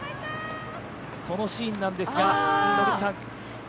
そのシーンなんですが高橋さん。